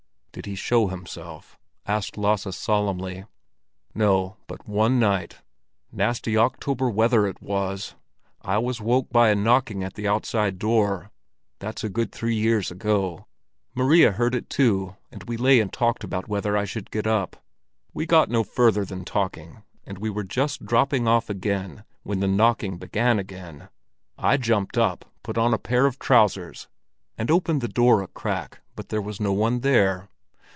"Did he show himself?" asked Lasse solemnly. "No; but one night—nasty October weather it was—I was woke by a knocking at the outside door. That's a good three years ago. Maria heard it too, and we lay and talked about whether I should get up. We got no further than talking, and we were just dropping off again, when the knocking began again. I jumped up, put on a pair of trousers, and opened the door a crack, but there was no one there.